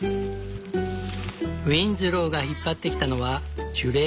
ウィンズローが引っ張ってきたのは樹齢